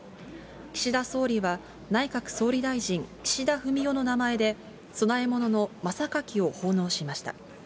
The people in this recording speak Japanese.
岸田総理は内閣総理大臣岸田文雄の名前で、供え物の真榊を奉納しました。